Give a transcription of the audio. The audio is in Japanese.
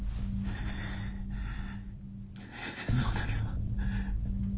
そうだけど。